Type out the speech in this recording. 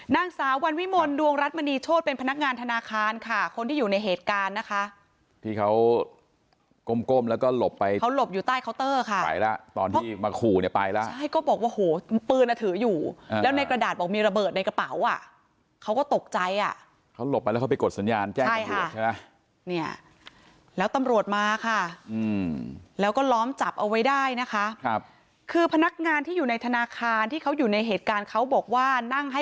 นั่งสาววันวิมวลดวงรัฐมณีโชตเป็นพนักงานธนาคารค่ะคนที่อยู่ในเหตุการณ์นะคะที่เขากลมกล้มแล้วก็หลบไปเขาหลบอยู่ใต้เคาน์เตอร์ค่ะไปล่ะตอนที่มาขู่เนี่ยไปล่ะใช่ก็บอกว่าโหปืนอะถืออยู่แล้วในกระดาษบอกมีระเบิดในกระเป๋าอ่ะเขาก็ตกใจอ่ะเขาหลบไปแล้วเขาไปกดสัญญาณแจ้งตำรวจใช่ปะเนี่ยแล้วต